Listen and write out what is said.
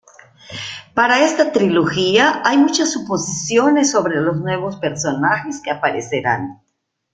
Para esta trilogía hay muchas suposiciones sobre los nuevos personajes que aparecerán.